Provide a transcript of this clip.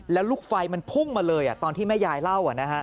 แล้วลูกไฟมันพุ่งมาเลยตอนที่แม่ยายเล่า